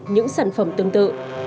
những sản phẩm tương tự